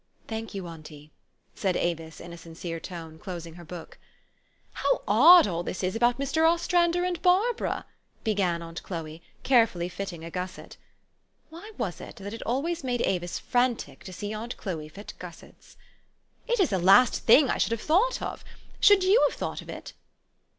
" Thank you, auntie," said Avis in a sincere tone, closing her book. " How Odd all this is about Mr. Ostrander and Bar bara !" began aunt Chloe, carefully fitting a gusset. (Why was it, that it always made Avis frantic to see aunt Chloe fit gussets?) "It is the last thing I should have thought of. Should you have thought of it?"